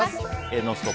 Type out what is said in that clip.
「ノンストップ！」